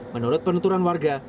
menurut penuturan warga